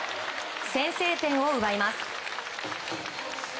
先制点を奪います。